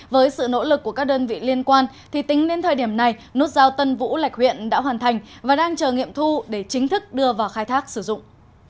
với sự nỗ lực của các đơn vị liên quan thì tính đến thời điểm này nút giao tân vũ lạch huyện đã hoàn thành và đang chờ nghiệm thu để chính thức đưa vào khai thác sử dụng